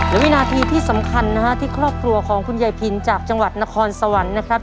และวินาทีที่สำคัญนะฮะที่ครอบครัวของคุณยายพินจากจังหวัดนครสวรรค์นะครับ